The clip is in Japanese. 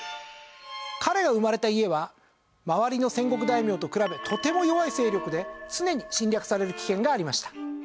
彼が生まれた家は周りの戦国大名と比べとても弱い勢力で常に侵略される危険がありました。